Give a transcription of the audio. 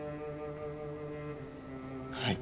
はい。